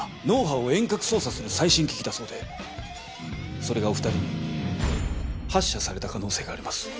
脳波を遠隔操作する最新機器だそうでそれがお二人に発射された可能性があります。